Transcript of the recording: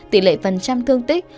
tỷ lệ phần trăm thương tích